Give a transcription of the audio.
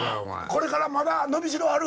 これからまだ伸びしろある？